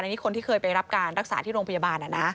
อันนี้คนที่เคยไปรับการรักษาที่โรงพยาบาล